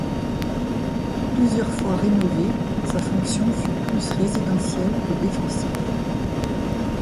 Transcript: Plusieurs fois rénové, sa fonction fut plus résidentielle que défensive.